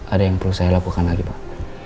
ada yang perlu saya lakukan lagi pak